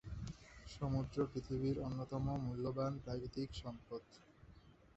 সমুদ্র পৃথিবীর অন্যতম মূল্যবান প্রাকৃতিক সম্পদ।